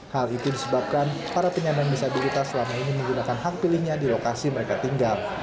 hal itu disebabkan para penyandang disabilitas selama ini menggunakan hak pilihnya di lokasi mereka tinggal